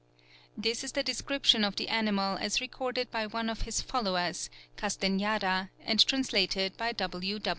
This is the description of the animal as recorded by one of his followers, Castañeda, and translated by W.